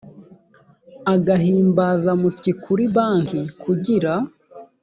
agahimbazamusyi kuri banki kugira